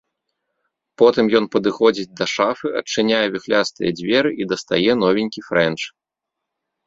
Потым ён падыходзіць да шафы, адчыняе віхлястыя дзверы і дастае новенькі фрэнч.